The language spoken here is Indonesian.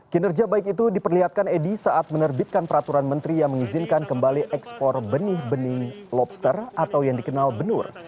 kinerja baik itu diperlihatkan edi saat menerbitkan peraturan menteri yang mengizinkan kembali ekspor benih bening lobster atau yang dikenal benur